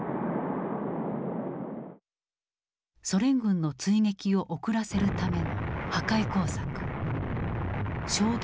ソ連軍の追撃を遅らせるための破壊工作